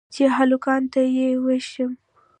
چې هلکانو ته يې وښييم.